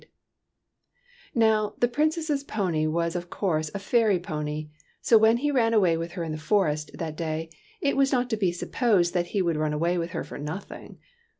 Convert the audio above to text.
TEARS OF PRINCESS PRUNELLA 109 Now, the Princess's pony was of course a fairy pony ; so when he ran away with her in the forest, that day, it was not to be supposed that he would run away with her for nothing.